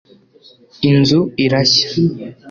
inzu irashya